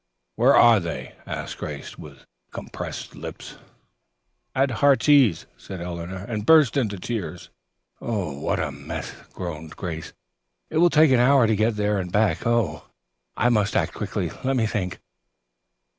"Where are they?" asked Grace, with compressed lips. "At 'Heartsease,'" said Eleanor, and burst into tears. "Oh, what a mess," groaned Grace. "It will take an hour to go there and back. Oh, I must act quickly. Let me think.